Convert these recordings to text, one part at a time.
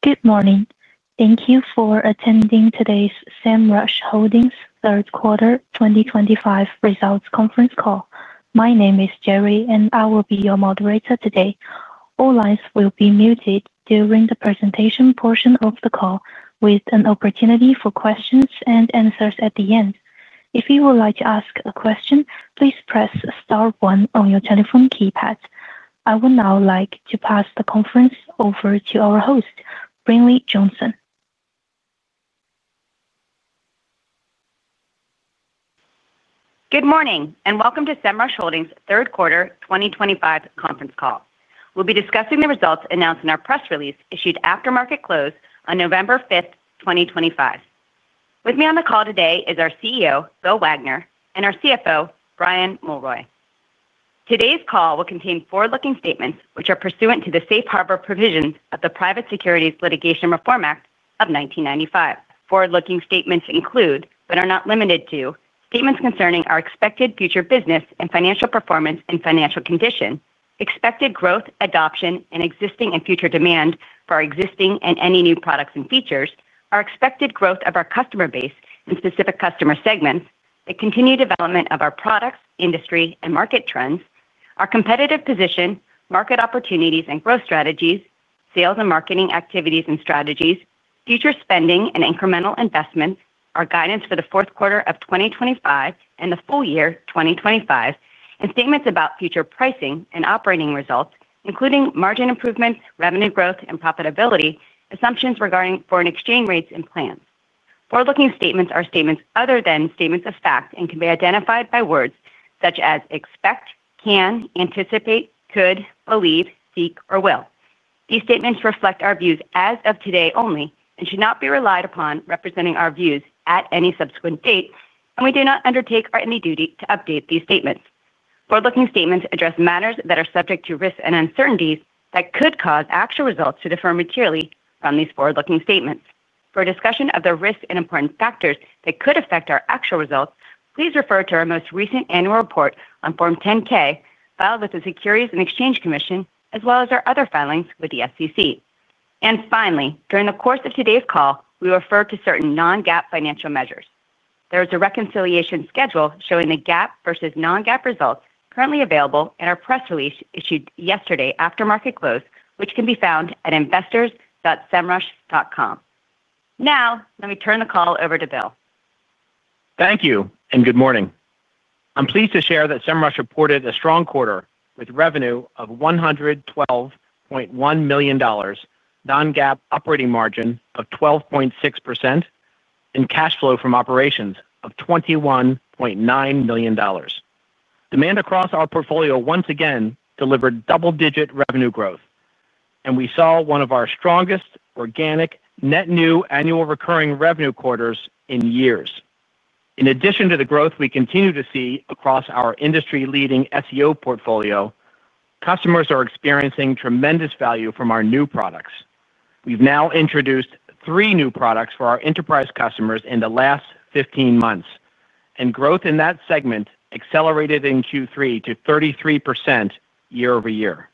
Good morning. Thank you for attending today's Semrush Holdings Q3 2025 results conference call. My name is Jerry, and I will be your moderator today. All lines will be muted during the presentation portion of the call, with an opportunity for questions and answers at the end. If you would like to ask a question, please press star one on your telephone keypad. I would now like to pass the conference over to our host, Brinlea Johnson. Good morning, and welcome to Semrush Holdings Q3 2025 conference call. We'll be discussing the results announced in our press release issued after market close on November 5, 2025. With me on the call today is our CEO, Bill Wagner, and our CFO, Brian Mulroy. Today's call will contain forward-looking statements which are pursuant to the safe harbor provisions of the Private Securities Litigation Reform Act of 1995. Forward-looking statements include, but are not limited to, statements concerning our expected future business and financial performance and financial condition, expected growth, adoption, and existing and future demand for our existing and any new products and features, our expected growth of our customer base and specific customer segments, the continued development of our products, industry, and market trends, our competitive position, market opportunities and growth strategies, sales and marketing activities and strategies, future spending and incremental investments, our guidance for the fourth quarter of 2025 and the full year 2025, and statements about future pricing and operating results, including margin improvement, revenue growth, and profitability, assumptions regarding foreign exchange rates and plans. Forward-looking statements are statements other than statements of fact and can be identified by words such as expect, can, anticipate, could, believe, seek, or will. These statements reflect our views as of today only and should not be relied upon representing our views at any subsequent date, and we do not undertake any duty to update these statements. Forward-looking statements address matters that are subject to risks and uncertainties that could cause actual results to differ materially from these forward-looking statements. For discussion of the risks and important factors that could affect our actual results, please refer to our most recent annual report on Form 10-K filed with the Securities and Exchange Commission, as well as our other filings with the SEC. Finally, during the course of today's call, we refer to certain non-GAAP financial measures. There is a reconciliation schedule showing the GAAP versus non-GAAP results currently available in our press release issued yesterday after market close, which can be found at investors.semrush.com. Now, let me turn the call over to Bill. Thank you, and good morning. I'm pleased to share that Semrush reported a strong quarter with revenue of $112.1 million, non-GAAP operating margin of 12.6%, and cash flow from operations of $21.9 million. Demand across our portfolio once again delivered double-digit revenue growth, and we saw one of our strongest organic net new annual recurring revenue quarters in years. In addition to the growth we continue to see across our industry-leading SEO portfolio, customers are experiencing tremendous value from our new products. We've now introduced three new products for our enterprise customers in the last 15 months, and growth in that segment accelerated in Q3 to 33% year-over-year.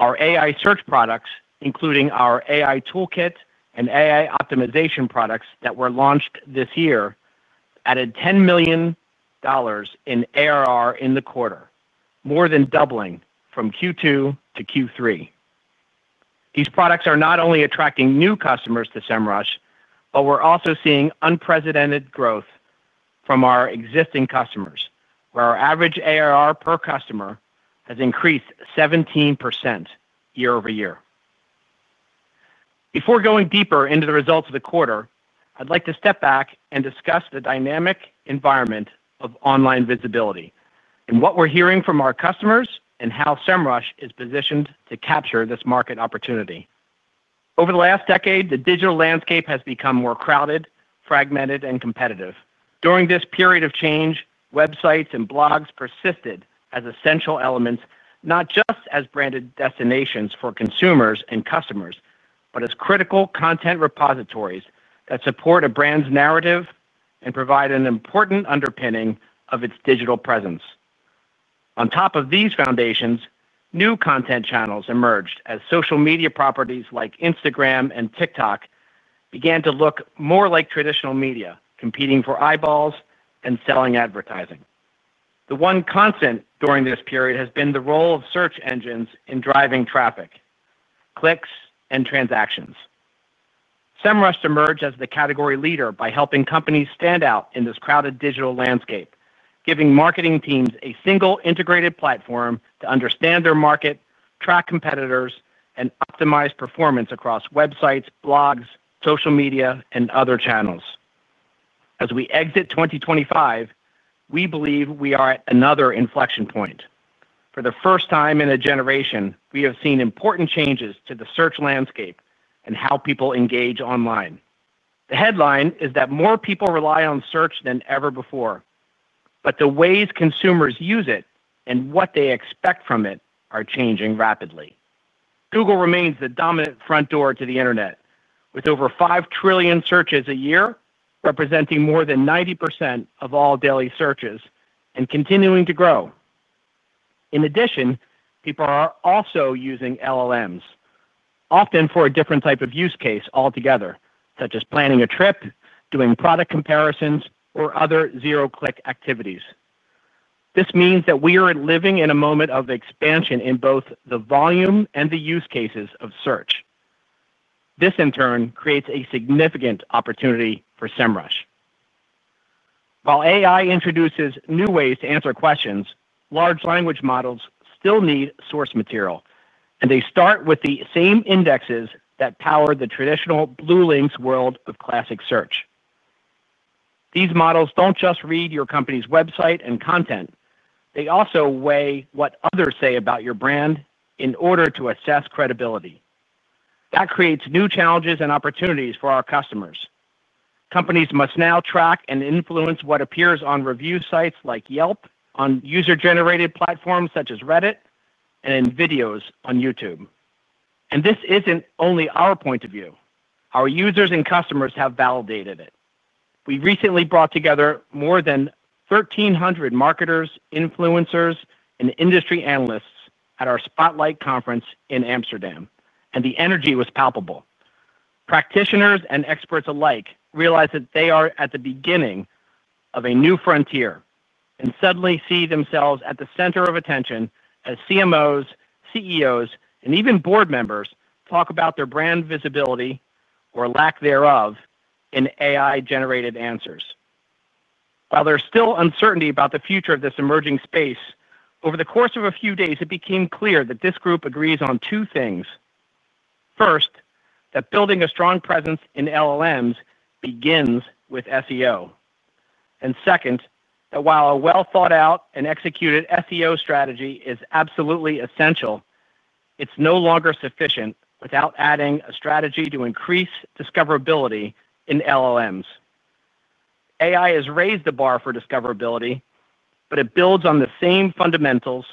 Our AI search products, including our AI Toolkit and AI Optimization products that were launched this year, added $10 million in ARR in the quarter, more than doubling from Q2 to Q3. These products are not only attracting new customers to Semrush, but we're also seeing unprecedented growth from our existing customers, where our average ARR per customer has increased 17% year-over-year. Before going deeper into the results of the quarter, I'd like to step back and discuss the dynamic environment of online visibility and what we're hearing from our customers and how Semrush is positioned to capture this market opportunity. Over the last decade, the digital landscape has become more crowded, fragmented, and competitive. During this period of change, websites and blogs persisted as essential elements, not just as branded destinations for consumers and customers, but as critical content repositories that support a brand's narrative and provide an important underpinning of its digital presence. On top of these foundations, new content channels emerged as social media properties like Instagram and TikTok began to look more like traditional media, competing for eyeballs and selling advertising. The one constant during this period has been the role of search engines in driving traffic, clicks, and transactions. Semrush emerged as the category leader by helping companies stand out in this crowded digital landscape, giving marketing teams a single integrated platform to understand their market, track competitors, and optimize performance across websites, blogs, social media, and other channels. As we exit 2025, we believe we are at another inflection point. For the first time in a generation, we have seen important changes to the search landscape and how people engage online. The headline is that more people rely on search than ever before, but the ways consumers use it and what they expect from it are changing rapidly. Google remains the dominant front door to the internet, with over 5 trillion searches a year representing more than 90% of all daily searches and continuing to grow. In addition, people are also using LLMs, often for a different type of use case altogether, such as planning a trip, doing product comparisons, or other zero-click activities. This means that we are living in a moment of expansion in both the volume and the use cases of search. This, in turn, creates a significant opportunity for Semrush. While AI introduces new ways to answer questions, large language models still need source material, and they start with the same indexes that power the traditional Blue Lynx world of classic search. These models do not just read your company's website and content; they also weigh what others say about your brand in order to assess credibility. That creates new challenges and opportunities for our customers. Companies must now track and influence what appears on review sites like Yelp, on user-generated platforms such as Reddit, and in videos on YouTube. This isn't only our point of view; our users and customers have validated it. We recently brought together more than 1,300 marketers, influencers, and industry analysts at our Spotlight Conference in Amsterdam, and the energy was palpable. Practitioners and experts alike realize that they are at the beginning of a new frontier and suddenly see themselves at the center of attention as CMOs, CEOs, and even board members talk about their brand visibility or lack thereof in AI-generated answers. While there is still uncertainty about the future of this emerging space, over the course of a few days, it became clear that this group agrees on two things. First, that building a strong presence in LLMs begins with SEO. Second, that while a well-thought-out and executed SEO strategy is absolutely essential, it is no longer sufficient without adding a strategy to increase discoverability in LLMs. AI has raised the bar for discoverability, but it builds on the same fundamentals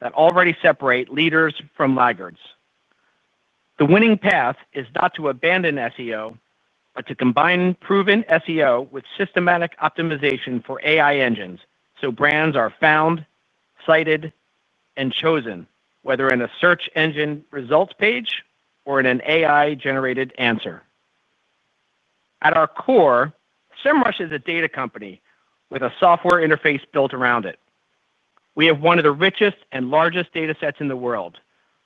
that already separate leaders from laggards. The winning path is not to abandon SEO, but to combine proven SEO with systematic optimization for AI engines so brands are found, cited, and chosen, whether in a search engine results page or in an AI-generated answer. At our core, Semrush is a data company with a software interface built around it. We have one of the richest and largest data sets in the world,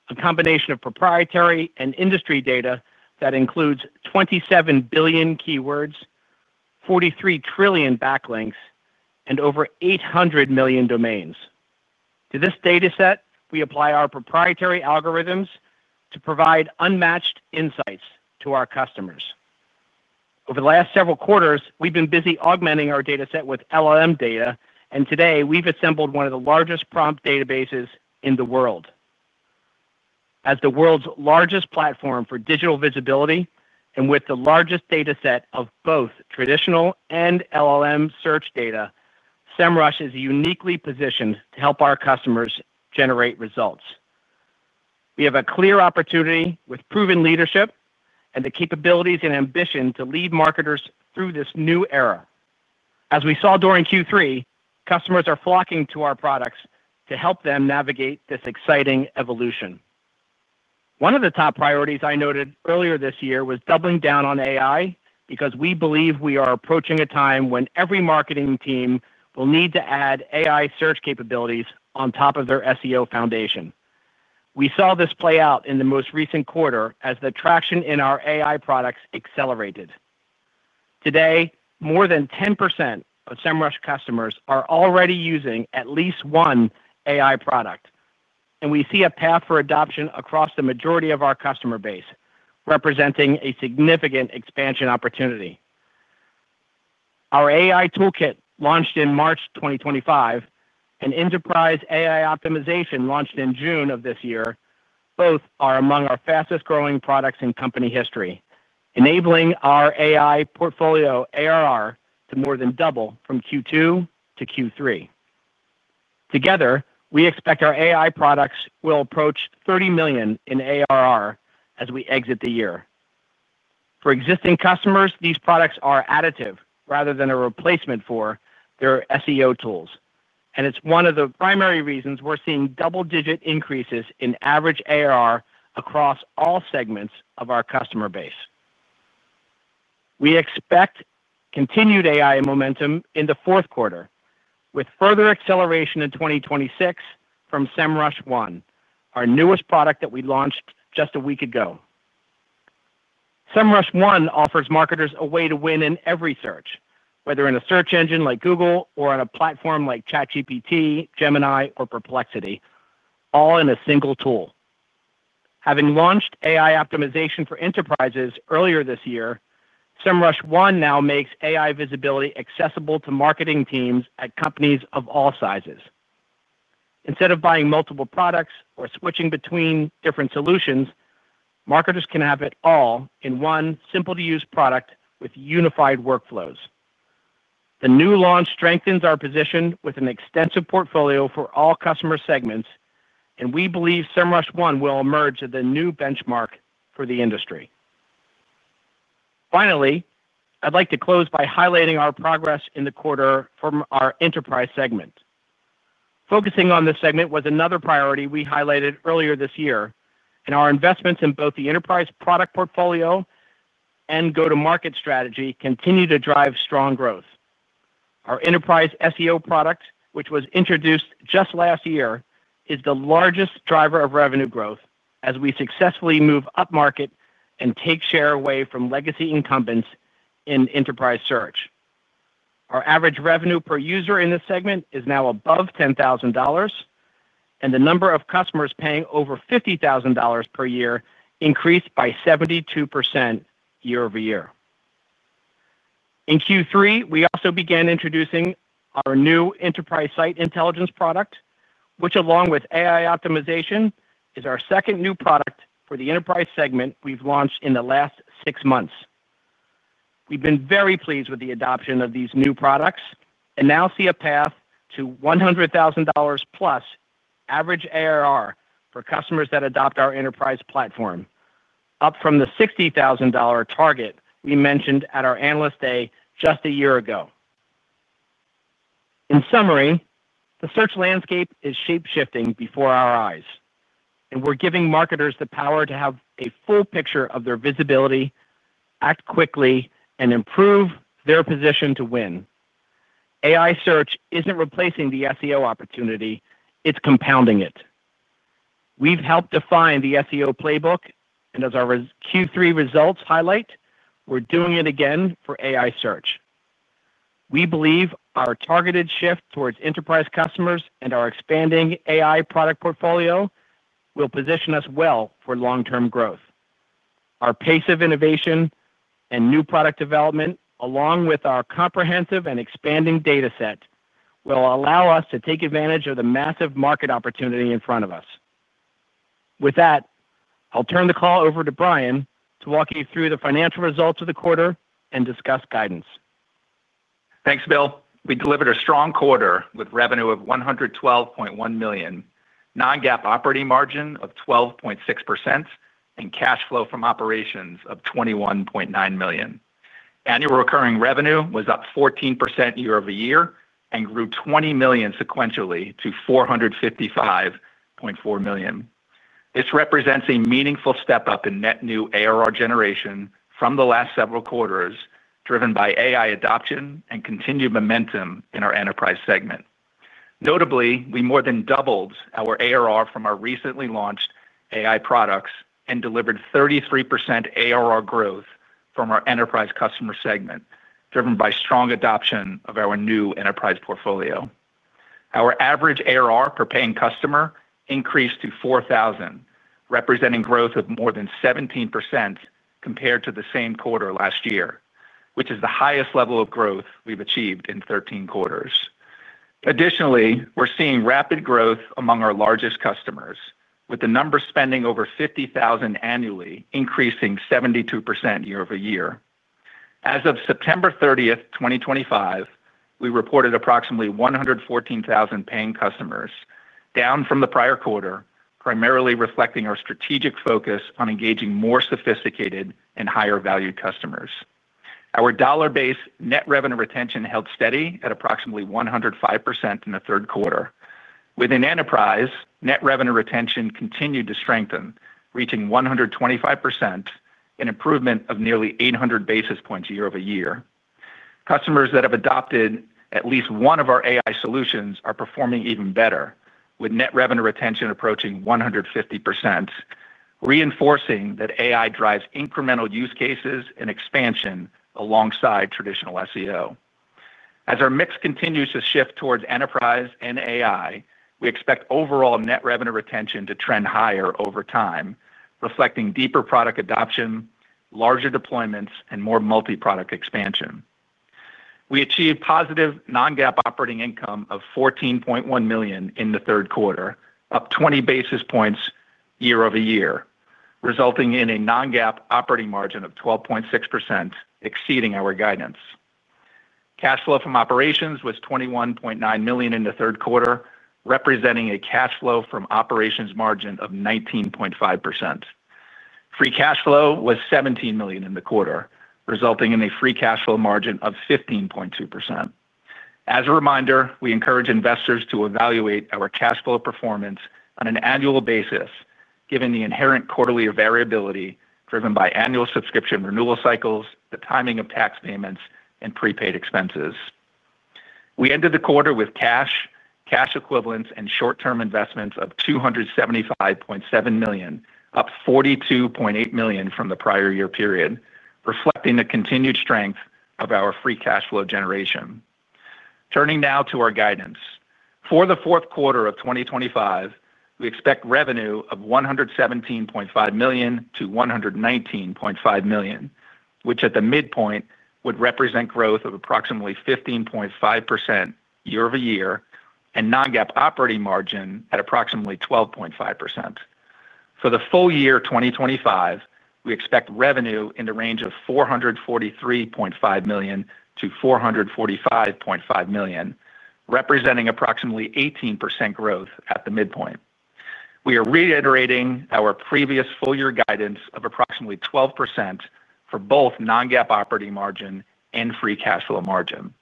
a combination of proprietary and industry data that includes 27 billion keywords, 43 trillion backlinks, and over 800 million domains. To this data set, we apply our proprietary algorithms to provide unmatched insights to our customers. Over the last several quarters, we've been busy augmenting our data set with LLM data, and today we've assembled one of the largest prompt databases in the world. As the world's largest platform for digital visibility and with the largest data set of both traditional and LLM search data, Semrush is uniquely positioned to help our customers generate results. We have a clear opportunity with proven leadership and the capabilities and ambition to lead marketers through this new era. As we saw during Q3, customers are flocking to our products to help them navigate this exciting evolution. One of the top priorities I noted earlier this year was doubling down on AI because we believe we are approaching a time when every marketing team will need to add AI search capabilities on top of their SEO foundation. We saw this play out in the most recent quarter as the traction in our AI products accelerated. Today, more than 10% of Semrush customers are already using at least one AI product, and we see a path for adoption across the majority of our customer base, representing a significant expansion opportunity. Our AI Toolkit launched in March 2025 and Enterprise AI Optimization launched in June of this year both are among our fastest-growing products in company history, enabling our AI portfolio ARR to more than double from Q2 to Q3. Together, we expect our AI products will approach $30 million in ARR as we exit the year. For existing customers, these products are additive rather than a replacement for their SEO tools, and it is one of the primary reasons we are seeing double-digit increases in average ARR across all segments of our customer base. We expect continued AI momentum in the fourth quarter, with further acceleration in 2026 from Semrush One, our newest product that we launched just a week ago. Semrush One offers marketers a way to win in every search, whether in a search engine like Google or on a platform like ChatGPT, Gemini, or Perplexity, all in a single tool. Having launched AI Optimization for enterprises earlier this year, Semrush One now makes AI visibility accessible to marketing teams at companies of all sizes. Instead of buying multiple products or switching between different solutions, marketers can have it all in one simple-to-use product with unified workflows. The new launch strengthens our position with an extensive portfolio for all customer segments, and we believe Semrush One will emerge as a new benchmark for the industry. Finally, I'd like to close by highlighting our progress in the quarter from our enterprise segment. Focusing on this segment was another priority we highlighted earlier this year, and our investments in both the enterprise product portfolio and go-to-market strategy continue to drive strong growth. Our Enterprise SEO product, which was introduced just last year, is the largest driver of revenue growth as we successfully move upmarket and take share away from legacy incumbents in enterprise search. Our average revenue per user in this segment is now above $10,000. The number of customers paying over $50,000 per year increased by 72% year-over-year. In Q3, we also began introducing our new Enterprise Site Intelligence product, which, along with AI Optimization, is our second new product for the enterprise segment we have launched in the last six months. We have been very pleased with the adoption of these new products and now see a path to $100,000-plus average ARR for customers that adopt our enterprise platform, up from the $60,000 target we mentioned at our analyst day just a year ago. In summary, the search landscape is shape-shifting before our eyes, and we are giving marketers the power to have a full picture of their visibility, act quickly, and improve their position to win. AI search is not replacing the SEO opportunity; it is compounding it. We have helped define the SEO playbook, and as our Q3 results highlight, we are doing it again for AI search. We believe our targeted shift towards enterprise customers and our expanding AI product portfolio will position us well for long-term growth. Our pace of innovation and new product development, along with our comprehensive and expanding data set, will allow us to take advantage of the massive market opportunity in front of us. With that, I'll turn the call over to Brian to walk you through the financial results of the quarter and discuss guidance. Thanks, Bill. We delivered a strong quarter with revenue of $112.1 million, non-GAAP operating margin of 12.6%, and cash flow from operations of $21.9 million. Annual recurring revenue was up 14% year-over-year and grew $20 million sequentially to $455.4 million. This represents a meaningful step up in net new ARR generation from the last several quarters, driven by AI adoption and continued momentum in our enterprise segment. Notably, we more than doubled our ARR from our recently launched AI products and delivered 33% ARR growth from our enterprise customer segment, driven by strong adoption of our new enterprise portfolio. Our average ARR per paying customer increased to $4,000, representing growth of more than 17% compared to the same quarter last year, which is the highest level of growth we've achieved in 13 quarters. Additionally, we're seeing rapid growth among our largest customers, with the number spending over $50,000 annually increasing 72% year-over-year. As of September 30, 2025, we reported approximately 114,000 paying customers, down from the prior quarter, primarily reflecting our strategic focus on engaging more sophisticated and higher-valued customers. Our dollar-based net revenue retention held steady at approximately 105% in the third quarter. Within enterprise, net revenue retention continued to strengthen, reaching 125%, an improvement of nearly 800 basis points year-over-year. Customers that have adopted at least one of our AI solutions are performing even better, with net revenue retention approaching 150%. Reinforcing that AI drives incremental use cases and expansion alongside traditional SEO. As our mix continues to shift towards enterprise and AI, we expect overall net revenue retention to trend higher over time, reflecting deeper product adoption, larger deployments, and more multi-product expansion. We achieved positive non-GAAP operating income of $14.1 million in the third quarter, up 20 basis points year-over-year, resulting in a non-GAAP operating margin of 12.6%, exceeding our guidance. Cash flow from operations was $21.9 million in the third quarter, representing a cash flow from operations margin of 19.5%. Free Cash Flow was $17 million in the quarter, resulting in a Free Cash Flow margin of 15.2%. As a reminder, we encourage investors to evaluate our cash flow performance on an annual basis, given the inherent quarterly variability driven by annual subscription renewal cycles, the timing of tax payments, and prepaid expenses. We ended the quarter with cash, cash equivalents, and short-term investments of $275.7 million, up $42.8 million from the prior year period, reflecting the continued strength of our Free Cash Flow generation. Turning now to our guidance. For the fourth quarter of 2025, we expect revenue of $117.5 million-$119.5 million, which at the midpoint would represent growth of approximately 15.5% year-over-year and non-GAAP operating margin at approximately 12.5%. For the full year 2025, we expect revenue in the range of $443.5 million-$445.5 million, representing approximately 18% growth at the midpoint. We are reiterating our previous full-year guidance of approximately 12% for both non-GAAP operating margin and Free Cash Flow margin.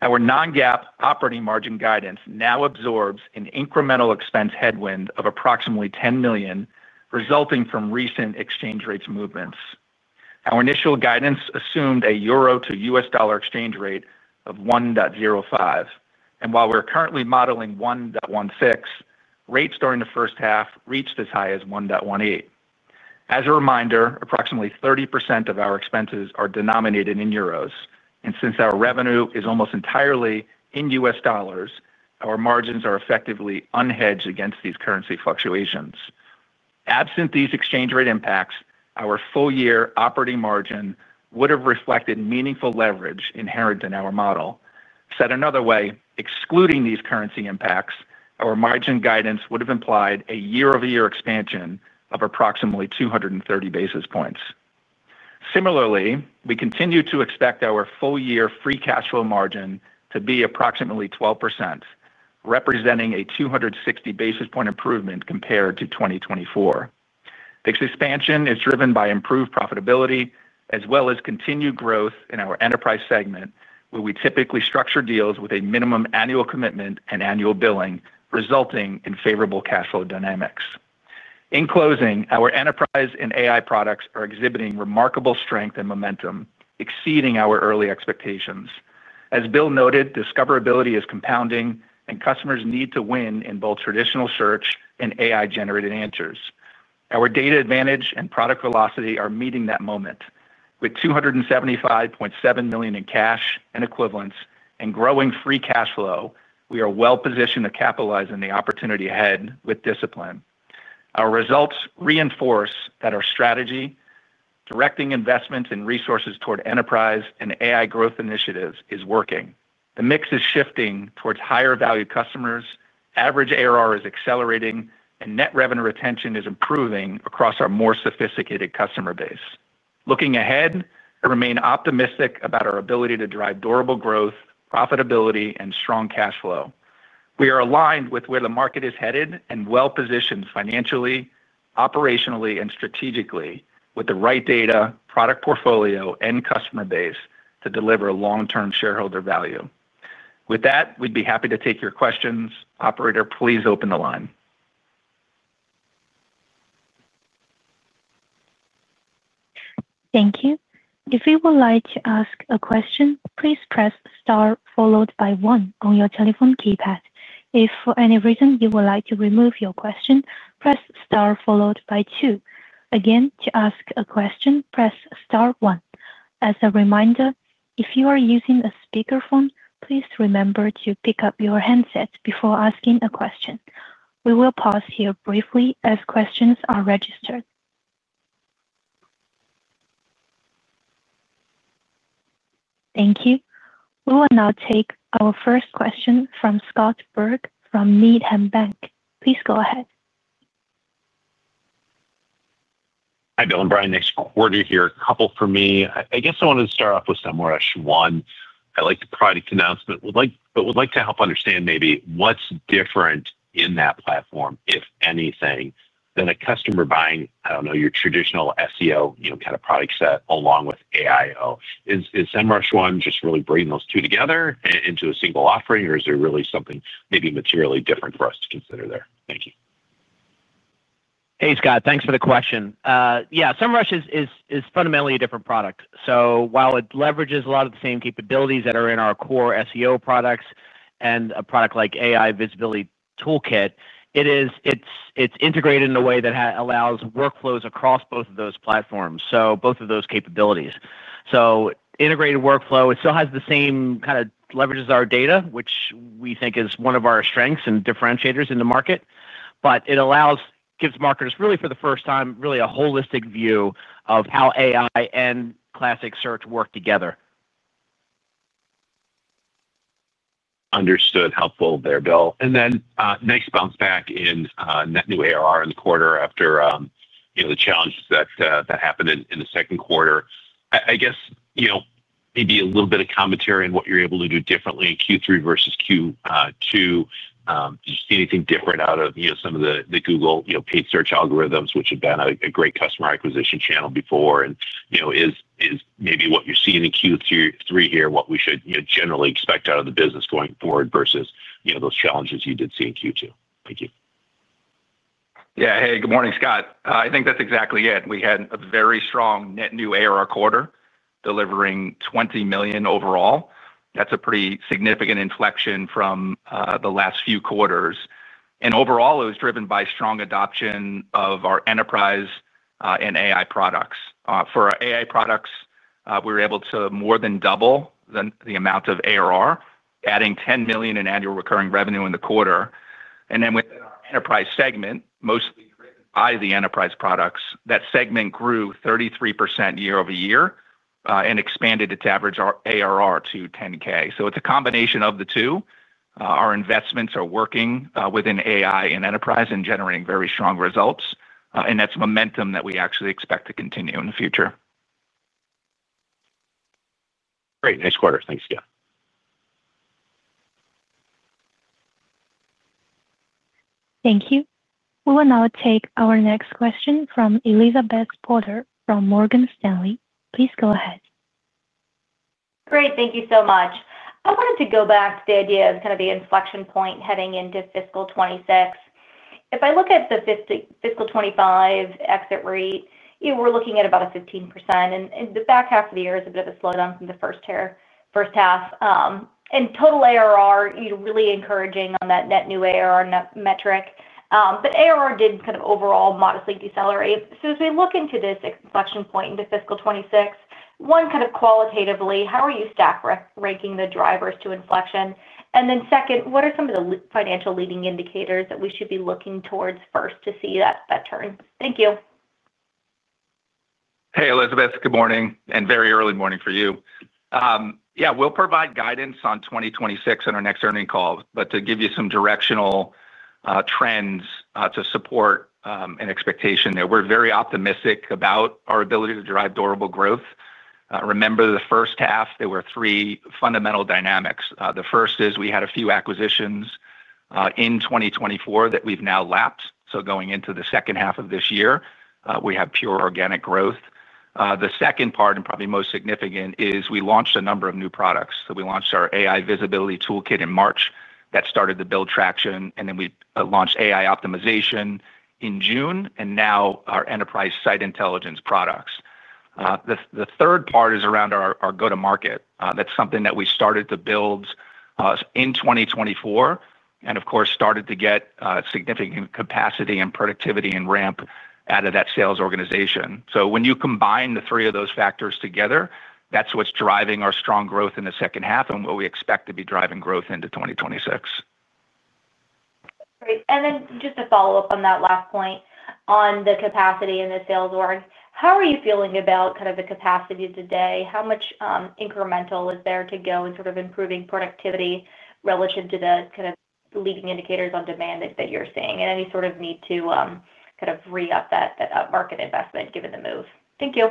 Our non-GAAP operating margin guidance now absorbs an incremental expense headwind of approximately $10 million, resulting from recent exchange rate movements. Our initial guidance assumed a euro to US dollar exchange rate of 1.05, and while we're currently modeling 1.16, rates during the first half reached as high as 1.18. As a reminder, approximately 30% of our expenses are denominated in euros, and since our revenue is almost entirely in US dollars, our margins are effectively unhedged against these currency fluctuations. Absent these exchange rate impacts, our full-year operating margin would have reflected meaningful leverage inherent in our model. Said another way, excluding these currency impacts, our margin guidance would have implied a year-over-year expansion of approximately 230 basis points. Similarly, we continue to expect our full-year Free Cash Flow margin to be approximately 12%. Representing a 260 basis point improvement compared to 2024. This expansion is driven by improved profitability as well as continued growth in our enterprise segment, where we typically structure deals with a minimum annual commitment and annual billing, resulting in favorable cash flow dynamics. In closing, our enterprise and AI products are exhibiting remarkable strength and momentum, exceeding our early expectations. As Bill noted, discoverability is compounding, and customers need to win in both traditional search and AI-generated answers. Our data advantage and product velocity are meeting that moment. With $275.7 million in cash and equivalents and growing Free Cash Flow, we are well-positioned to capitalize on the opportunity ahead with discipline. Our results reinforce that our strategy, directing investments and resources toward enterprise and AI growth initiatives, is working. The mix is shifting towards higher-valued customers, average ARR is accelerating, and net revenue retention is improving across our more sophisticated customer base. Looking ahead, I remain optimistic about our ability to drive durable growth, profitability, and strong cash flow. We are aligned with where the market is headed and well-positioned financially, operationally, and strategically with the right data, product portfolio, and customer base to deliver long-term shareholder value. With that, we'd be happy to take your questions. Operator, please open the line. Thank you. If you would like to ask a question, please press star followed by one on your telephone keypad. If for any reason you would like to remove your question, press star followed by two. Again, to ask a question, press star one. As a reminder, if you are using a speakerphone, please remember to pick up your headset before asking a question. We will pause here briefly as questions are registered. Thank you. We will now take our first question from Scott Berg from Needham Bank. Please go ahead. Hi, Bill and Brian. Nice quarter here. A couple for me. I guess I wanted to start off with Semrush One. I like the product announcement, but would like to help understand maybe what's different in that platform, if anything, than a customer buying, I don't know, your traditional SEO kind of product set along with AIO. Is Semrush One just really bringing those two together into a single offering, or is there really something maybe materially different for us to consider there? Thank you. Hey, Scott. Thanks for the question. Yeah, Semrush is fundamentally a different product. While it leverages a lot of the same capabilities that are in our core SEO products and a product like AI Visibility Toolkit, it's integrated in a way that allows workflows across both of those platforms, so both of those capabilities. Integrated workflow, it still has the same kind of leverages our data, which we think is one of our strengths and differentiators in the market, but it gives marketers really for the first time really a holistic view of how AI and classic search work together. Understood. Helpful there, Bill. Nice bounce back in net new ARR in the quarter after the challenges that happened in the second quarter. I guess maybe a little bit of commentary on what you're able to do differently in Q3 versus Q2. Did you see anything different out of some of the Google paid search algorithms, which had been a great customer acquisition channel before? Is maybe what you're seeing in Q3 here what we should generally expect out of the business going forward versus those challenges you did see in Q2? Thank you. Yeah. Hey, good morning, Scott. I think that's exactly it. We had a very strong net new ARR quarter, delivering $20 million overall. That's a pretty significant inflection from the last few quarters. Overall, it was driven by strong adoption of our enterprise and AI products. For our AI products, we were able to more than double the amount of ARR, adding $10 million in annual recurring revenue in the quarter. Within our enterprise segment, mostly driven by the enterprise products, that segment grew 33% year-over-year and expanded to average our ARR to $10,000. It is a combination of the two. Our investments are working within AI and enterprise and generating very strong results. That is momentum that we actually expect to continue in the future. Great. Nice quarter. Thanks, Thank you. We will now take our next question from Elizabeth Porter from Morgan Stanley. Please go ahead. Great. Thank you so much. I wanted to go back to the idea of kind of the inflection point heading into fiscal 2026. If I look at the fiscal 2025 exit rate, we are looking at about a 15%. The back half of the year is a bit of a slowdown from the first half. In total ARR, you are really encouraging on that net new ARR metric. ARR did kind of overall modestly decelerate. As we look into this inflection point in fiscal 2026, one, kind of qualitatively, how are you staff ranking the drivers to inflection? Then second, what are some of the financial leading indicators that we should be looking towards first to see that turn? Thank you. Hey, Elizabeth. Good morning and very early morning for you. Yeah, we'll provide guidance on 2026 in our next earnings call, but to give you some directional trends to support an expectation there. We're very optimistic about our ability to drive durable growth. Remember the first half, there were three fundamental dynamics. The first is we had a few acquisitions in 2024 that we've now lapped. Going into the second half of this year, we have pure organic growth. The second part, and probably most significant, is we launched a number of new products. We launched our AI Visibility Toolkit in March that started to build traction. We launched AI Optimization in June, and now our Enterprise Site Intelligence products. The third part is around our go-to-market. That is something that we started to build in 2024, and of course, started to get significant capacity and productivity and ramp out of that sales organization. When you combine the three of those factors together, that is what is driving our strong growth in the second half and what we expect to be driving growth into 2026. Great. Just to follow up on that last point on the capacity and the sales org, how are you feeling about kind of the capacity today? How much incremental is there to go in sort of improving productivity relative to the kind of leading indicators on demand that you're seeing? And any sort of need to kind of re-up that market investment given the move? Thank you.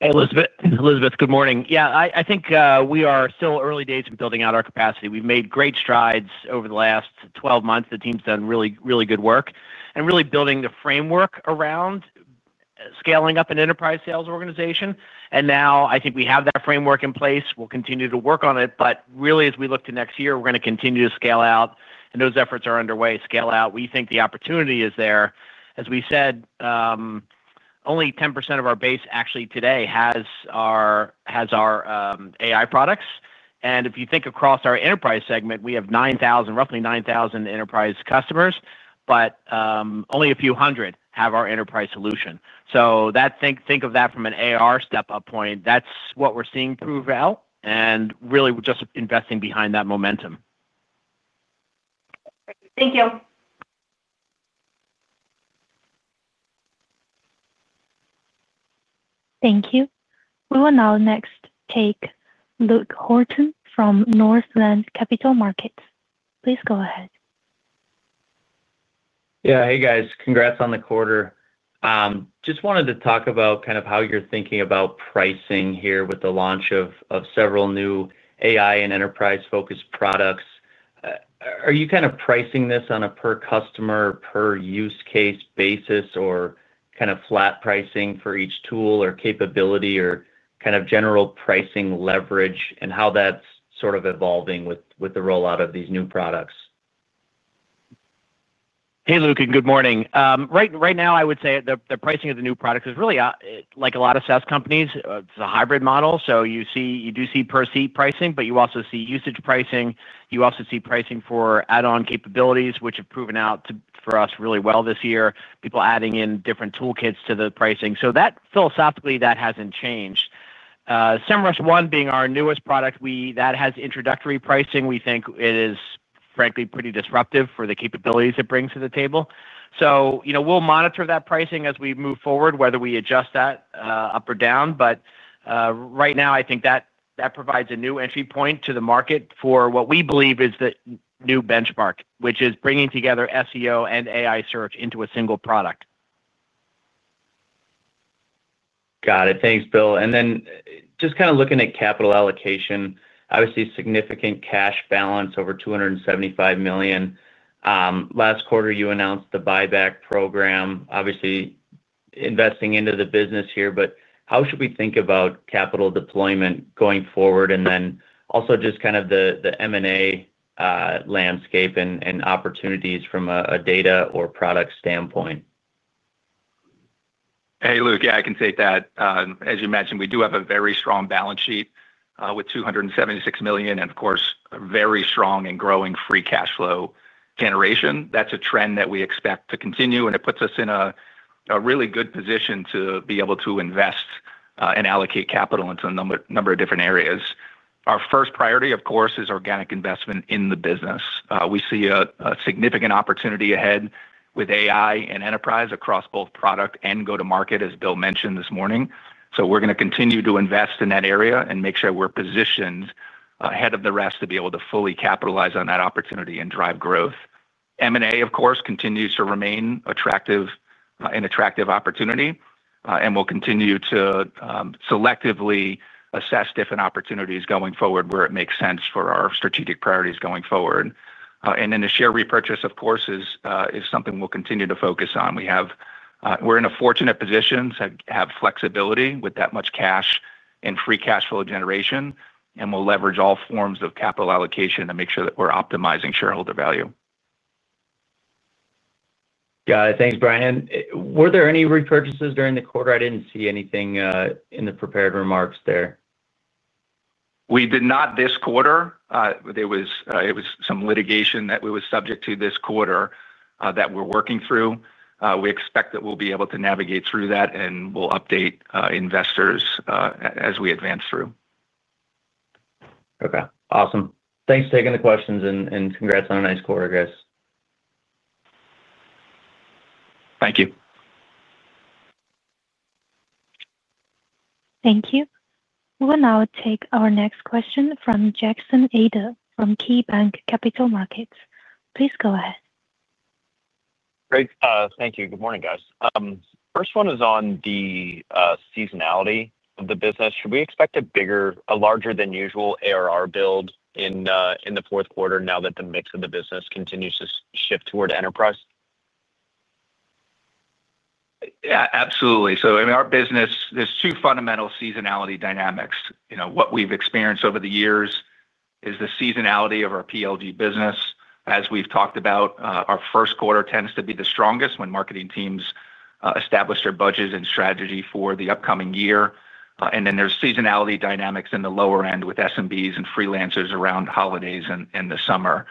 Hey, Elizabeth. Elizabeth, good morning. Yeah, I think we are still early days in building out our capacity. We've made great strides over the last 12 months. The team's done really, really good work and really building the framework around scaling up an enterprise sales organization. I think we have that framework in place. We'll continue to work on it. Really, as we look to next year, we're going to continue to scale out, and those efforts are underway. Scale out. We think the opportunity is there. As we said, only 10% of our base actually today has our AI products. If you think across our enterprise segment, we have 9,000, roughly 9,000 enterprise customers, but only a few hundred have our enterprise solution. Think of that from an AR step-up point. That is what we are seeing prove out and really just investing behind that momentum. Thank you. Thank you. We will now next take Luke Horton from Northland Capital Markets. Please go ahead. Yeah. Hey, guys. Congrats on the quarter. Just wanted to talk about kind of how you are thinking about pricing here with the launch of several new AI and enterprise-focused products. Are you kind of pricing this on a per-customer, per-use-case basis or kind of flat pricing for each tool or capability or kind of general pricing leverage and how that is sort of evolving with the rollout of these new products? Hey, Luke, and good morning. Right now, I would say the pricing of the new products is really like a lot of SaaS companies. It's a hybrid model. You do see per-seat pricing, but you also see usage pricing. You also see pricing for add-on capabilities, which have proven out for us really well this year, people adding in different toolkits to the pricing. Philosophically, that hasn't changed. Semrush One, being our newest product, has introductory pricing. We think it is, frankly, pretty disruptive for the capabilities it brings to the table. We'll monitor that pricing as we move forward, whether we adjust that up or down. Right now, I think that provides a new entry point to the market for what we believe is the new benchmark, which is bringing together SEO and AI search into a single product. Got it. Thanks, Bill. Just kind of looking at capital allocation, obviously significant cash balance over $275 million. Last quarter, you announced the buyback program, obviously. Investing into the business here, but how should we think about capital deployment going forward? Also just kind of the M&A landscape and opportunities from a data or product standpoint. Hey, Luke, yeah, I can say that. As you mentioned, we do have a very strong balance sheet with $276 million and, of course, a very strong and growing Free Cash Flow generation. That's a trend that we expect to continue, and it puts us in a really good position to be able to invest and allocate capital into a number of different areas. Our first priority, of course, is organic investment in the business. We see a significant opportunity ahead with AI and enterprise across both product and go-to-market, as Bill mentioned this morning. We are going to continue to invest in that area and make sure we are positioned ahead of the rest to be able to fully capitalize on that opportunity and drive growth. M&A, of course, continues to remain an attractive opportunity and will continue to selectively assess different opportunities going forward where it makes sense for our strategic priorities going forward. The share repurchase, of course, is something we will continue to focus on. We are in a fortunate position to have flexibility with that much cash and Free Cash Flow generation, and we will leverage all forms of capital allocation to make sure that we are optimizing shareholder value. Got it. Thanks, Brian. Were there any repurchases during the quarter? I did not see anything in the prepared remarks there. We did not this quarter. There was some litigation that we were subject to this quarter that we're working through. We expect that we'll be able to navigate through that, and we'll update investors as we advance through. Okay. Awesome. Thanks for taking the questions, and congrats on a nice quarter, guys. Thank you. Thank you. We will now take our next question from Jackson Ader from KeyBanc Capital Markets. Please go ahead. Great. Thank you. Good morning, guys. First one is on the seasonality of the business. Should we expect a larger than usual ARR build in the fourth quarter now that the mix of the business continues to shift toward enterprise? Yeah, absolutely. In our business, there's two fundamental seasonality dynamics. What we've experienced over the years is the seasonality of our PLG business. As we've talked about, our first quarter tends to be the strongest when marketing teams establish their budgets and strategy for the upcoming year. There are seasonality dynamics in the lower end with SMBs and freelancers around holidays and the summer.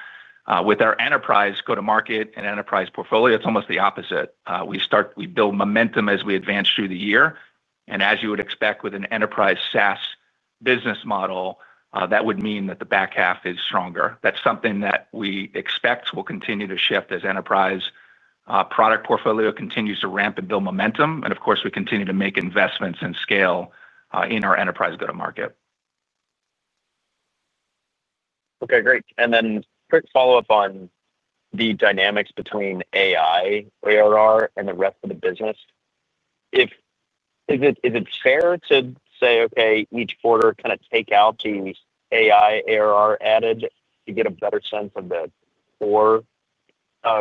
With our enterprise go-to-market and enterprise portfolio, it's almost the opposite. We build momentum as we advance through the year. As you would expect with an enterprise SaaS business model, that would mean that the back half is stronger. That's something that we expect will continue to shift as the enterprise product portfolio continues to ramp and build momentum. Of course, we continue to make investments and scale in our enterprise go-to-market. Okay. Great. Quick follow-up on the dynamics between AI, ARR, and the rest of the business. Is it fair to say, "Okay, each quarter kind of take out the AI, ARR added to get a better sense of the core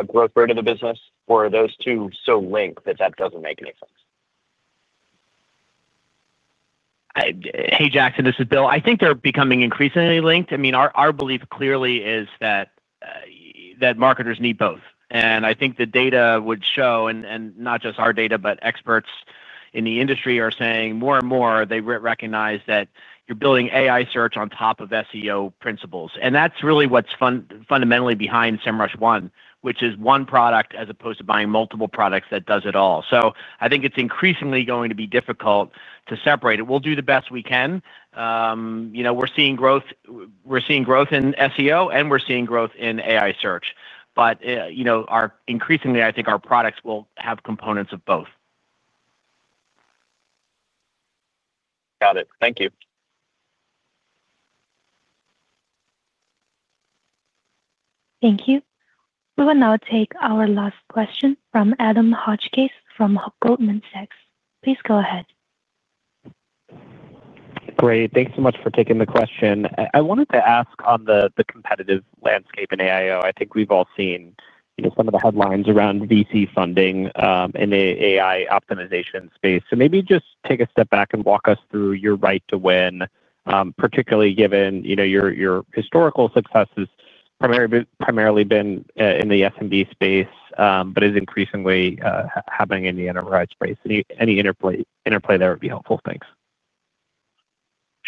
growth rate of the business?" Or are those two so linked that that does not make any sense? Hey, Jackson, this is Bill. I think they are becoming increasingly linked. I mean, our belief clearly is that marketers need both. I think the data would show, and not just our data, but experts in the industry are saying more and more, they recognize that you are building AI search on top of SEO principles. That is really what is fundamentally behind Semrush One, which is one product as opposed to buying multiple products that does it all. I think it is increasingly going to be difficult to separate it. We will do the best we can. We are seeing growth in SEO, and we are seeing growth in AI search. But. Increasingly, I think our products will have components of both. Got it. Thank you. Thank you. We will now take our last question from Adam Hotchkiss from Goldman Sachs. Please go ahead. Great. Thanks so much for taking the question. I wanted to ask on the competitive landscape in AIO. I think we've all seen some of the headlines around VC funding in the AI optimization space. Maybe just take a step back and walk us through your right to win, particularly given your historical success has primarily been in the SMB space, but is increasingly happening in the enterprise space. Any interplay there would be helpful. Thanks.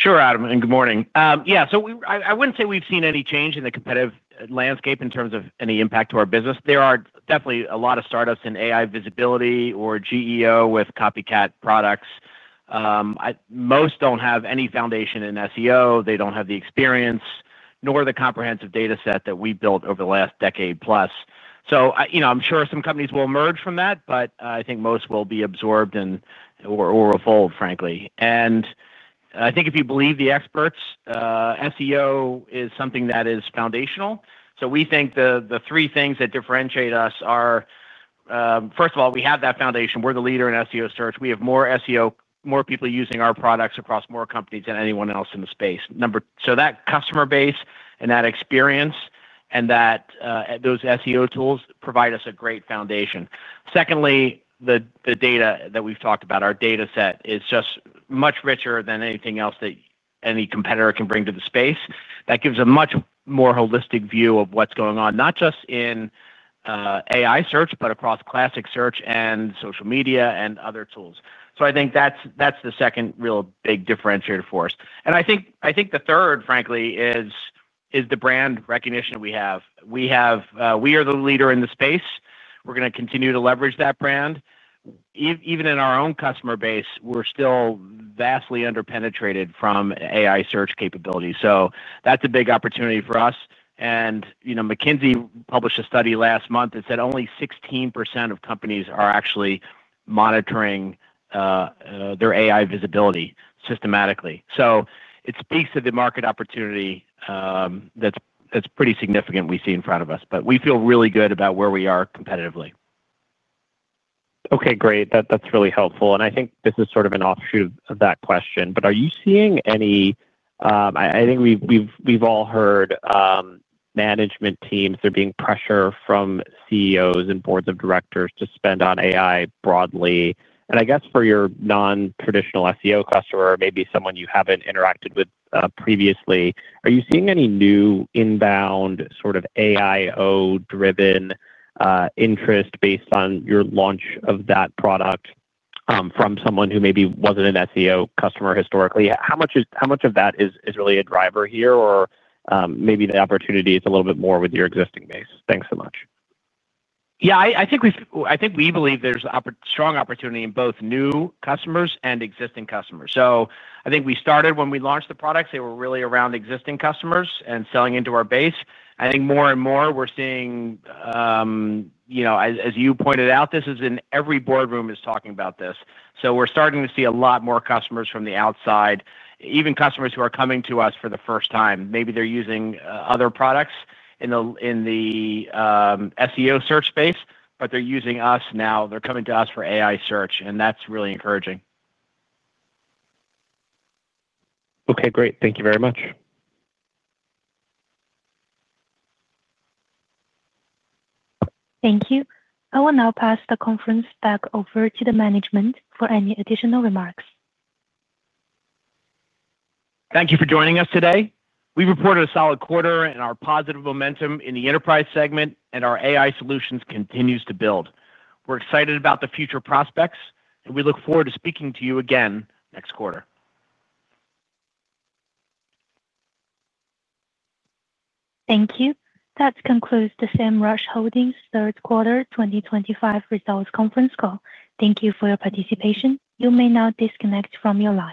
Sure, Adam. Good morning. Yeah. I would not say we've seen any change in the competitive landscape in terms of any impact to our business. There are definitely a lot of startups in AI visibility or SEO with copycat products. Most don't have any foundation in SEO. They don't have the experience nor the comprehensive data set that we built over the last decade plus. I'm sure some companies will emerge from that, but I think most will be absorbed or evolved, frankly. I think if you believe the experts, SEO is something that is foundational. We think the three things that differentiate us are, first of all, we have that foundation. We're the leader in SEO search. We have more SEO, more people using our products across more companies than anyone else in the space. That customer base and that experience and those SEO tools provide us a great foundation. Secondly, the data that we've talked about, our data set, is just much richer than anything else that any competitor can bring to the space. That gives a much more holistic view of what's going on, not just in AI search, but across classic search and social media and other tools. I think that's the second real big differentiator for us. I think the third, frankly, is the brand recognition we have. We are the leader in the space. We're going to continue to leverage that brand. Even in our own customer base, we're still vastly underpenetrated from AI search capability. That's a big opportunity for us. McKinsey published a study last month that said only 16% of companies are actually monitoring their AI visibility systematically. It speaks to the market opportunity. That's pretty significant we see in front of us. We feel really good about where we are competitively. Okay. Great. That's really helpful. I think this is sort of an offshoot of that question, but are you seeing any—I think we've all heard management teams, there being pressure from CEOs and boards of directors to spend on AI broadly. I guess for your non-traditional SEO customer, maybe someone you haven't interacted with previously, are you seeing any new inbound sort of AIO-driven interest based on your launch of that product from someone who maybe wasn't an SEO customer historically? How much of that is really a driver here, or maybe the opportunity is a little bit more with your existing base? Thanks so much. Yeah. I think we believe there's strong opportunity in both new customers and existing customers. I think we started when we launched the products. They were really around existing customers and selling into our base. I think more and more we're seeing. As you pointed out, this is in every boardroom is talking about this. So we're starting to see a lot more customers from the outside, even customers who are coming to us for the first time. Maybe they're using other products in the SEO search space, but they're using us now. They're coming to us for AI search, and that's really encouraging. Okay. Great. Thank you very much. Thank you. I will now pass the conference back over to the management for any additional remarks. Thank you for joining us today. We've reported a solid quarter and our positive momentum in the enterprise segment, and our AI solutions continue to build. We're excited about the future prospects, and we look forward to speaking to you again next quarter. Thank you. That concludes the Semrush Holdings third quarter 2025 results conference call. Thank you for your participation. You may now disconnect from your line.